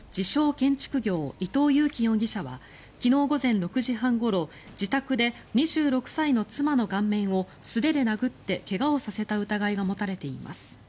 ・建築業伊藤裕樹容疑者は昨日午前６時半ごろ自宅で２６歳の妻の顔面を素手で殴って怪我をさせた疑いが持たれています。